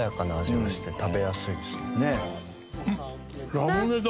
ラムネだ！